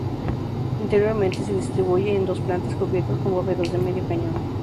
Interiormente se distribuye en dos plantas cubiertas con bóvedas de medio cañón.